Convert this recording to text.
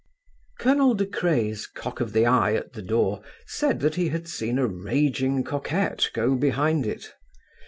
Colonel De Craye's cock of the eye at the door said that he had seen a rageing coquette go behind it.